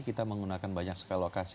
kita menggunakan banyak skala lokal